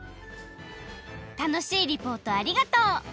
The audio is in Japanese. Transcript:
楽しいリポートありがとう！